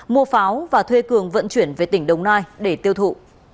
mua pháo và thuê cường vận chuyển về tỉnh đồng nai để tiêu thụ